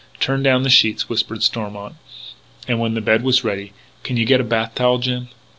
"Turn down the sheets," whispered Stormont. And, when the bed was ready: "Can you get a bath towel, Jim?"